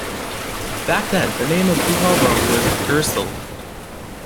Back then the name of Buhovo was "Ursul".